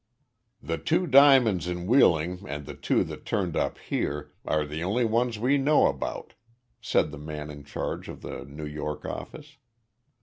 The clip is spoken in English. "The two diamonds in Wheeling and the two that turned up here are the only ones we know about," said the man in charge of the New York office.